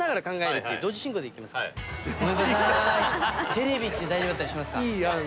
テレビって大丈夫だったりしますか？